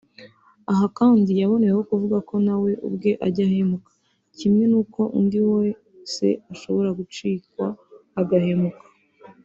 Aha kandi yaboneyeho kuvuga ko nawe ubwe ajya ahemuka kimwe n'uko n'undi wese ashobora gucikwa agahemuka